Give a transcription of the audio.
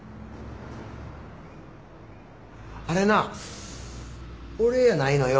あれな俺やないのよ。